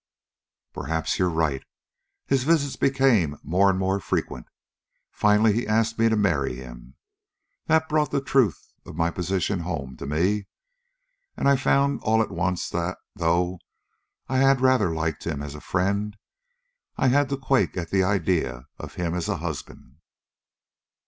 "Perhaps you're right. His visits became more and more frequent. Finally he asked me to marry him. That brought the truth of my position home to me, and I found all at once that, though I had rather liked him as a friend, I had to quake at the idea of him as a husband."